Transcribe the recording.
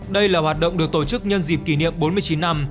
đây là hoạt động được tổ chức nhân dịp kỷ niệm bốn mươi chín năm